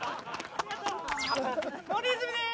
森泉でーす！